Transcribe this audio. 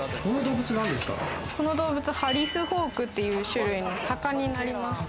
この動物、ハリスホークという種類のタカになります。